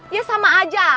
ya sama aja